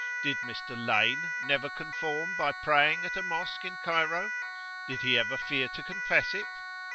Did Mr. Lane neverconform by praying at a Mosque in Cairo? did he ever fear to confess it?